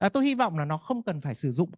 tôi hy vọng là nó không cần phải sử dụng